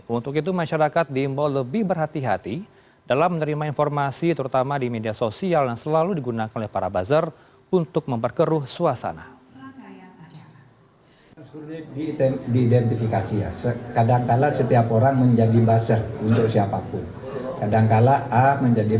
untuk itu masyarakat diimbau lebih berhati hati dalam menerima informasi terutama di media sosial yang selalu digunakan oleh para buzzer untuk memperkeruh suasana